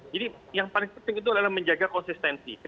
jadi yang paling penting itu adalah menjaga konsistensi